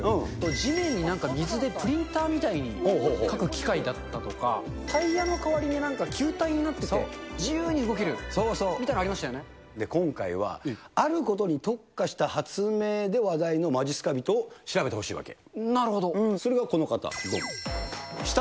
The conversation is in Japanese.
地面になんか水でプリンターみたいに書く機械だったりとか、タイヤの代わりになんか球体になってて、自由に動けるみたいのあ今回は、あることに特化した発明で話題のまじっすか人を調べてほしいわけ。